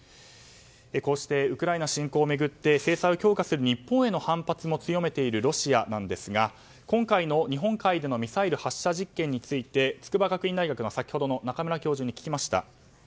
こうしてウクライナ侵攻を巡って制裁を強化する日本への反発も強めているロシアなんですが今回の日本海でのミサイル発射実験について筑波学院大学の先ほどの中村教授に聞きました。